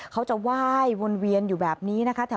เขาจะไหว้วนเวียนอยู่แบบนี้นะคะ